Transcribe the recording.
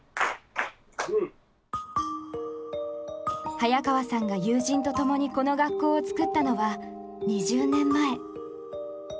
早川さんが友人と共にこの学校を作ったのは２０年前。